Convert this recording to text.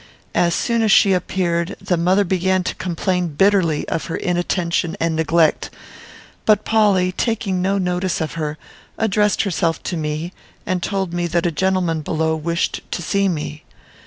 As soon as she appeared, the mother began to complain bitterly of her inattention and neglect; but Polly, taking no notice of her, addressed herself to me, and told me that a gentleman below wished to see me.